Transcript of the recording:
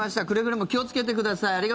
くれぐれも気をつけてください。